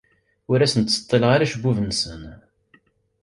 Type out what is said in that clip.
Ur asen-ttseḍḍileɣ acebbub-nsen.